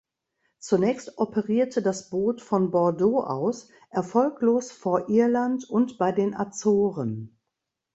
Zunächst operierte das Boot von Bordeaux aus erfolglos vor Irland und bei den Azoren.